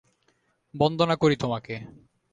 বন্দনা করি তোমাকে!